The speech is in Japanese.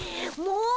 もう！